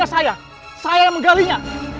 saya yang menggali nya